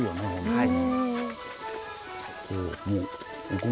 はい。